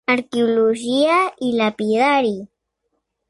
Arqueologia i lapidari.